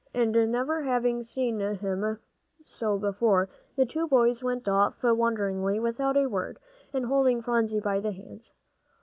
And never having seen him so before, the two boys went off wonderingly, without a word, and holding Phronsie by the hands.